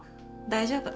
大丈夫。